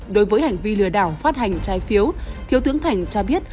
đối với hành vi lừa đảo phát hành trái phiếu thiếu tướng thành cho biết